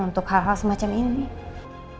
untuk hal hal semacam ini